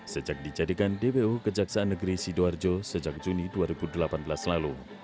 sejak dijadikan dpo kejaksaan negeri sidoarjo sejak juni dua ribu delapan belas lalu